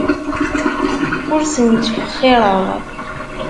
Ur ten-ttwexxireɣ.